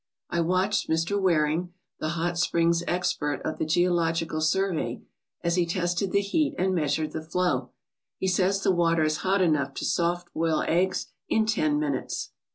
I watched Mr. Waring, the hot springs' expert of the Geological Survey, as he tested the heat and measured the flow. He says the water is hot enough to soft boil eggs in ten minutes.